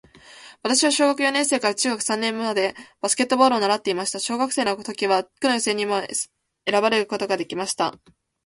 私は小学四年生から中学三年生までバスケットボールを習っていました。小学生の時は区の選抜にも選ばれることができました。しかし、高校生になってからバスケットボールに飽きてしまって硬式テニス部に入部しました。